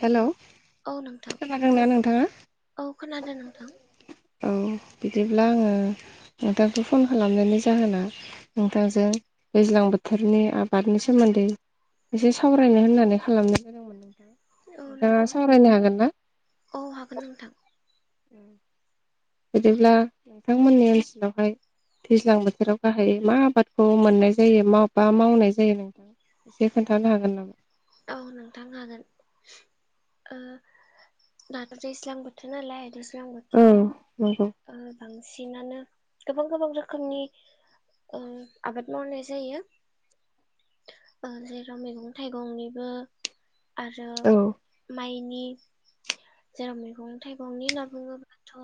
हेल' hello औ नोंथां खोनादोंना नोंथाङा औ खोनादों नोंथां औ बिदि अब्ला आङो नोंथांखौ फन खालामनायनि जाहोना नोंथांजों दैज्लां बोथोर नि आबादनि सोमोन्दै एसे सावरायनो होननानै खालामद मोन नोंथाङा औ नोंथाङा नोंथां सावरायनो हागोन ना? औ हागोन नोंथां बिदिब्ला नोंथांमोननि ओनसोलावहाय दैज्लां बोथोराव गाहाय मा आबादखौ मोननाय जायो मा बा मावनाय जायो नोंथां? एसे खोन्थानो हागोन नामा? औ नोंथां हागोन ओ‌- दाथ' दैज्लां बोथोर नालाय दैज्लां औ नंगौ बोथोराव ओ बांसिनानो गोबां गोबां रोखोमनि ओ आबाद मावनाय जायो जेराव मैगं थाइगंनिबो आरो औ माइ नि जेराव मैगं थाइगंनि होनना बुङोबाथ'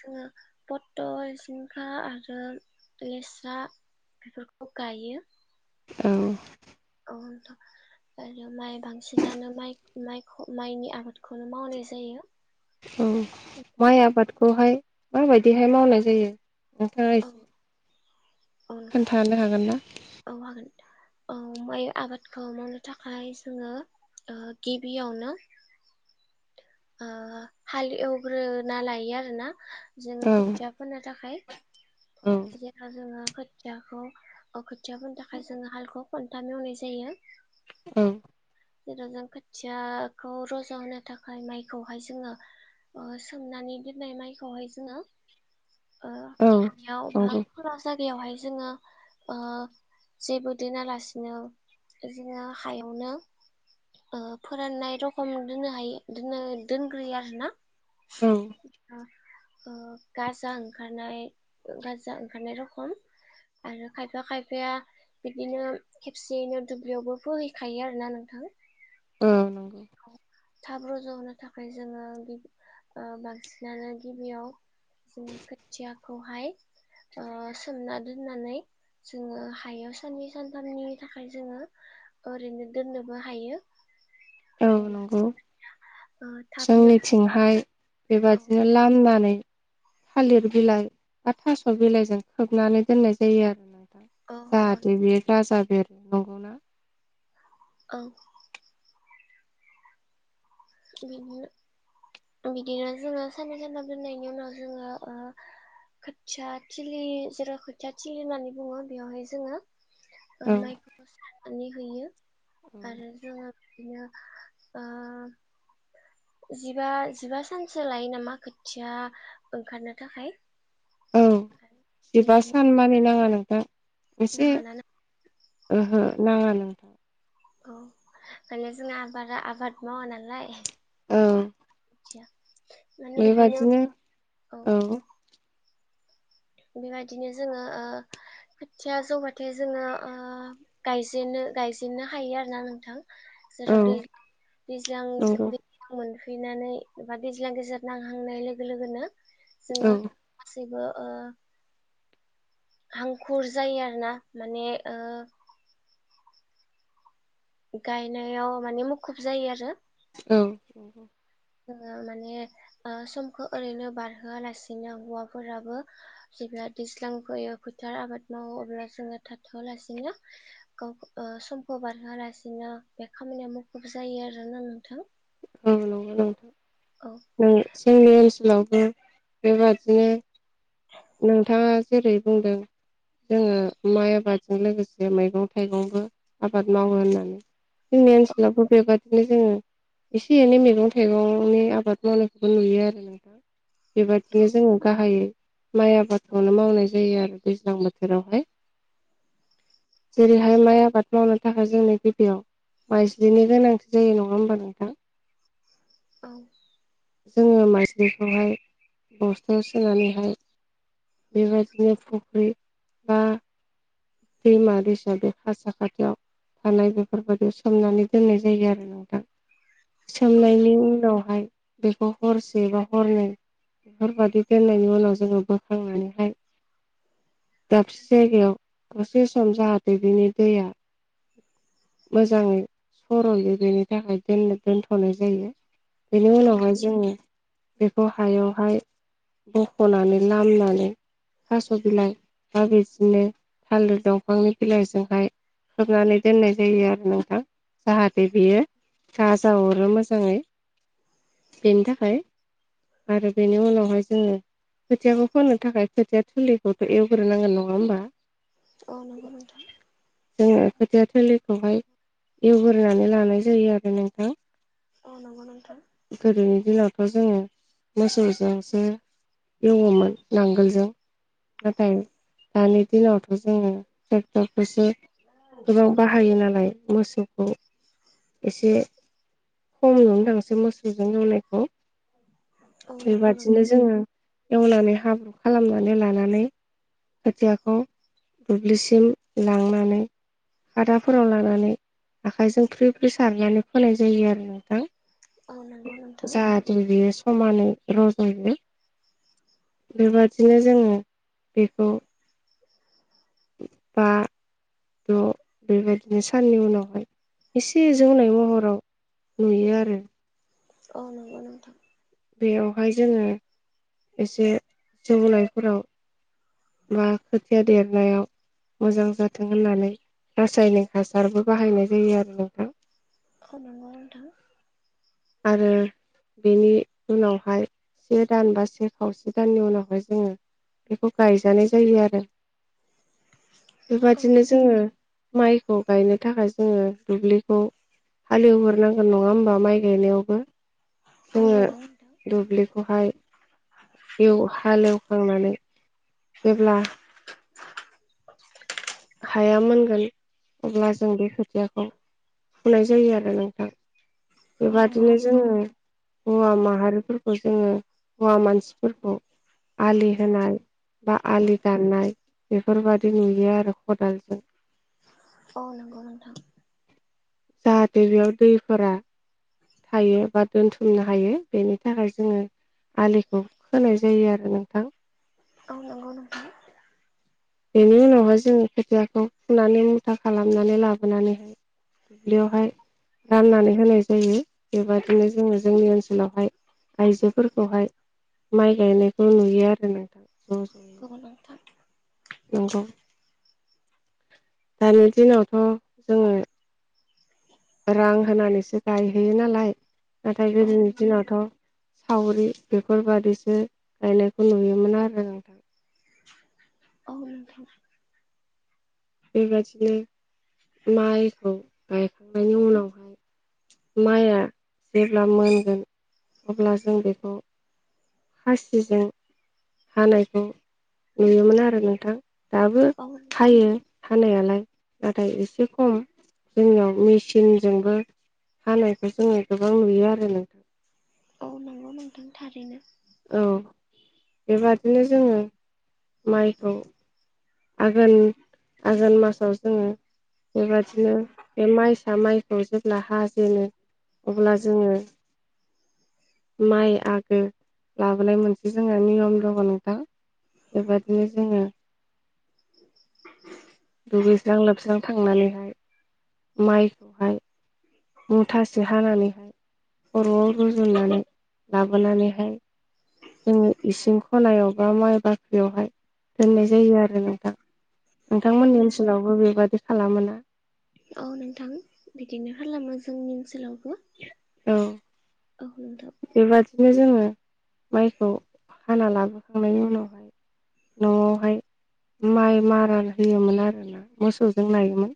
जोंङो पथल जिंखा आरो लेस्रा बेफोरखौ गायो औ औ नोंथां आरो माइ बांसिनानो [unintelligible] माइख माइनि आबादखौनो मावनाय जायो औ नोंथां माइ आबादखौहाय माबायदिहाय मावनाय जायो? नोंथाङा औ एसे औ नोंथां खोन्थानो हागोन ना? औ हागोन औ माइ आबादखौ मावनो थाखाय जोङो ओ गिबियावनो [inaudible] ओ हाल एवग्रोना लायो आरो ना औ जोङो खोथिया फोनो थाखाय [unintelligible] जेराव जोङो खोथियाखौ खोथिया फोननो थाखाय जोङो हालखौ खन्थाम एवनाय जायो। औ जेराव जों खोथियाखौ रजा होनो थाखाय माइखौहाय जोङो ओ सोमनानै दोननाय माइखौहाय जोङो ओ औ हायाव बा नंगौ [unintelligible] बेयावहाय जोङो ओ जेबो दोनालासिनो जोंङो हायावनो ओ फोराननाय रखम दोननो हायो दोन दोनग्रोयो आरो ना औ गा ओ गांजा ओंखारनाय गाजा ओंखारनाय रखम आरो खायफा खायफाया बिदिनो खेबसेयैनो दुब्लियावबो फोहैखायो आरोना नोंथां औ नंगौ थाब रज' होनो थाखाय जोङो गि ओ बांसिनानो गिबियाव जोङो खोथियाखौहाय ओ सोमना दोननानै जोङो हायाव साननै सानथामनि थाखाय जोङो ओरैनो दोननोबो हायो औ मानोना नंगौ ओ थाबनो जोंनिथिंहाय औ बेबादिनो लामनानै थालिर बिलाइ बा थास' बिलाइजों खोबनानै दोननाय जायो आरो ना औ औ जाहाथे बेयो राजा बेरनांगौना औ। बिनो बिदिनो जोङो साननै सानथाम दोननायनि उनाव जोङो ओ खोथिया थिलि जेराव खोथिया थिलि होननानै बुङो बेवहाय जोङो ओ औ माइखौ सारनानै होयो औ आरो जोङो बिदिनो ओ जिबा जिबा सानसो लायो नामा खोथिया ओंखारनो थाखाय? औ। जिबा सान मानि नाङा नोंथां। नाङाना ना उमहो नाङा नों औ माने जोङा बारा आबाद मावा नालाय। औ। थिया। बेबादिनो औ। बेबादिनो जोङो ओ खोथिया जौबाथाय जोङो ओ गायजेनो। गायजेननो हायो आरोना नोंथां। औ जेराव दैज्लां नंगौ फैनानै एबा दैज्लां गेजेर नांहांनाय लोगो लोगोनो औ जोङो गासैबो ओ हांखुर जायो आरोना माने ओ गायनायाव माने मुखुब जायो आरो। औ। ओ माने ओ समखो ओरैनो बारहोआलासिनो हौवाफोराबो जेब्ला दैज्लां फैयो, फोथार आबाद मावो, अब्ला जोङो थाथ'वालासिनो गावखो ओ सम खौ बारहोयालासिनो बे खामानिया मुखुब जायो आरोना नोंथां। औ नंगौ औ [unintelligible] नों जोंनि ओनसोलाव बेबादिनो नोंथाङा जेरै बुंदों जोङो माइ आबादजों लोगोसे मैगं थाइगंबो आबाद मावो होननानै। जोंनि ओनसोलावबो बेबादिनो जोङो एसे एनै मैगं थाइगंनि आबाद मावनायखौबो नुयो आरो नोंथां। बेबादिनो जोङो गाहायै माइ आबादखौनो मावनाय जायो आरो दैज्लां बोथोरावहाय। जेरैहाय माइ आबाद मावनो थाखाय जोंनो गिबियाव माइज्लिनि गोनांथि जायो, नङा होमबा नोंथां? औ। जोङो माइज्लिखौहाय बस्थायाव सोनानैहाय बेबादिनो फख्रि बा दैमा दसा बे हासा खाथियाव थानाय बेफोरबादि सोमनानै दोननाय जायो आरो नोंथां। औ सोमनायनि नंगौ उनावहाय बेखौ हरसे बा हरनै बेफोरबादि दोननायनि उनाव जोङो बोखांनानैहाय दाबसे जायगायाव दसे सम जाहाथे बिनि दैया मोजाङै सर'यो बेनि थाखाय दोननो दोनथ'नाय जायो। बेनि उनावहाय जोङो बेखौ हायावहाय बख'नानै लामनानै थास' बिलाइ बा बिदिनो थालिर दंफांनि बिलाइजोंहाय खोबनानै दोननाय जायो आरो नोंथां। जाहाथे बेयो गाजा हरो मोजाङै। बेनि थाखाय आरो बेनि उनावहाय जोङो खोथियाखौ फोनो थाखाय खोथिया थिलिखौथ' एवग्रोनांगोन, नङा होमबा? अ नंगौ नोंथां। जोङो खोथिया थलिखौहाय एवग्रोनानै लानाय जायो आरो नोंथां अ नंगौ नोंथां गोदोनि दिनावथ' जोङो मोसौजोंसो एवोमोन नांगोलजों नाथाय दानि दिनावथ' जोङो ट्रेक्टरखौसो गोबां बाहायो नालाय मोसौखौ एसे खम नुनो थांसै मोसौजों एवनायखौ औ नंगौ बेबादिनो नोंथां जोङो एवनानै हाब्रु खालामनानै लानानै खोथियाखौ दुब्लिसिम लांनानै खादाफोराव लानानै आखाइजों फ्रि फ्रिसारनानै फोनाय जायो आरो नोंथां औ नंगौ नोंथां जाहाथे बियो समानै रजयो बेबादिनो जोङो बेखौ बा द' बेबायदिनो साननि उनावहाय एसे जौनाय महराव नुयो आरो औ नंगौ नोंथां बेयावहाय जोङो एसे जौनायफोराव मा खोथाया देरनायाव मोजां जाथों होननानै रासायनिक हासारबो बाहायनाय जायो आरो नोंथां [unintelligible] नोंथां आरो बेनि उनावहाय से दान बा से खावसे दाननि उनावहाय जोङो बेखौ गायजानाय जायो आरो औ बेबादिनो नोंथां जोङो माइखौ गायनो थाखाय जोङो दुब्लिखौ हालेवहर नांगोन नङा होमबा माइ गायनायावबो औ जोङो नंगौ नोंथां दुब्लिखौहाय एव हालेवखांनानै जेब्ला हाया मोनगोन अब्ला जों बे खोथियाखौ फुनाय जायो आरो नोंथां औ नंगौ बेबादिनो जोङो नोंथां हौवा माहारिफोरखौ जोङो हौवा मानसिफोरखौ आलि होनाय बा आलि गारनाय बेफोरबादि नुयो आरो खदालजों। अ नंगौ नोंथां जाहाथे बेयाव दैफोरा थायो बा दोनथुमनो हायो बेनि थाखाय जोङो आलिखौ खोनाय जायो आरो नोंथां औ नोंगौ नोंथां बेनि उनावहाय जोङो खोथियाखौ फुनानै मुथा खालामनानै लाबोनानैहाय दुब्लियावहाय राननानै होनाय जायो बेबायादिनो जोङो जोंनि ओनसोलावहाय आइजोफोरखौहाय माइ गायनायखौ नुयो आरो नोंथां [inaudible] औ नोंथां नंगौ दानि दिनावथ' जोङो रां होनानैसो गायहैयो नालाय नाथाय औ गोदोनि नोंथां दिनावथ' सावरि बेफोरबादि सो गायनायखौ नुयोमोन आरो नोंथां औ नोंथां बेबादिनो माइखौ गायखांनायनि उनावहाय माइआ जेब्ला मोनगोन अब्ला जों बेखौ खासिजों हानायखौ नुयोमोन आरो नोंथां दाबो औ नोंथां हायो हानायालाय नाथाय एसे खम जोंनियाव मिचिनजोंबो हानायखौ जोङो गोबां नुयो आरो नोंथां [unintelligible] औ नंगौ नोंथां थारैनो। औ बेबादिनो जोङो माइखौ आघोन आघोन मासाव जोङो बेबादिनो बे माइसा माइखौ जेब्ला हाजेनो अब्ला जोङो माइ आगो लाबोनाय मोनसे जोंहा नियम दङ‌ नोंथां बेबादिनो जोङो दुगैस्रां लोबस्रां थांनानैहाय माइखौहाय मुथासे हानानैहाय खर'आव रुजुननानै लाबोनानैहाय जोङो इसिं खनायाव बा माइ बाख्रियावहाय दोननाय जायो आरो नोंथां औ नोंथांमोननि ओनसोलावबो बेबादि खालामोना? औ नोंथां बिदिनो खालामो जोंनि ओनसोलावबो औ औ। नोंथां बेबादिनो जोङो माइखौ हाना लाबोखांनायनि उनावहाय न'आवहाय माइ मारा होयोमोन आरोना मोसौजों नायोमोन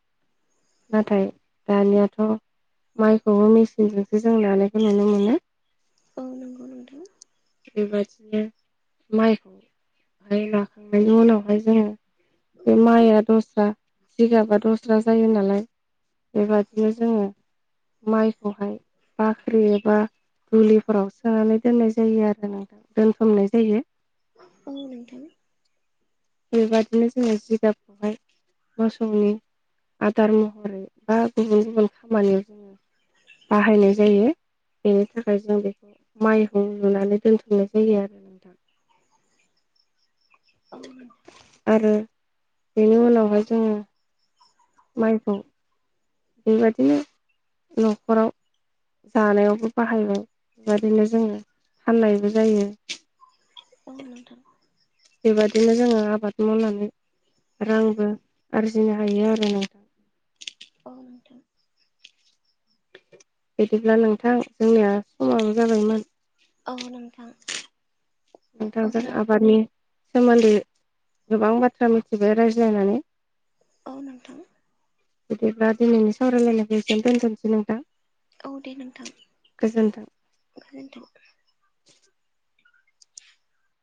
नाथाय दानियाथ' माइखौबो मेचिनजोंसो जों नानायखौ नुनो मोनो औ नंगौ नोंथां बेबादिनो माइखौहाय नाखांनायनि उनावहाय जोङो बे माइआ दस्रा जिगाबा दस्रा जायो नालाय बेबादिनो जोङो माइखौहाय बाख्रि एबा दुलिफोराव सोनानै दोननाय जायो आरो दोनथुमनाय जायो। औ नोंथां बेबादिनो जोङो जिगाबखौहाय मोसौनि आदार महरै बा गुबुन गुबुन खामानियाव जोङो बाहायनाय जायो बेनि थाखाय जों बेखौ माइहुं लुनानै दोनथुमनाय जायो आरो नोंथां औ नोंथां आरो बेनि उनावहाय जोङो माइखौ बेबायदिनो न'खराव जानायावबो बाहायबाय बेबायदिनो जोङो फाननायबो जायो। अ नोंथां बेबायदिनो जोङो आबाद मावनानै रांबो आरजिनो हायो आरो नोंथां औ नोंथां बिदिब्ला नोंथां जोंनिया समाबो जाबायमोन औ नोंथां नोंथांजों अब्ला आबादनि सोमोन्दै गोबां बाथ्रा मिथिबाय रायज्लायनानै औ नोंथां। बिदिब्ला दिनैनि सावरायलायनायखौ एसेयावनो दोनथ'नोसै नोंथां औ दे नोंथां गोजोन्थों। गोजोन्थों [inaudible]